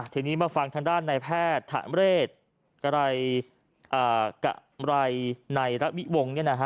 ทีนี้มาฟังทางด้านในแพทย์ธะเรศกะไรในระวิวงศ์